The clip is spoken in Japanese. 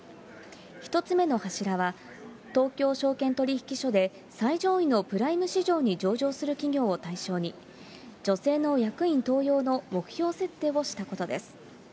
１つ目の柱は、東京証券取引所で最上位のプライム市場に上場する企業を対象に、女性の役員登用の目標設定をしたことです。